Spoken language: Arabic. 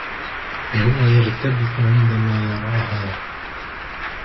هو يرتبِك عندما يراها.